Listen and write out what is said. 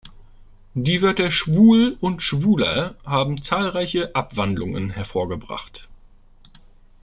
Die Wörter "schwul" und "Schwuler" haben zahlreiche Abwandlungen hervorgebracht.